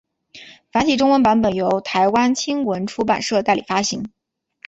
繁体中文版本由台湾青文出版社代理发行。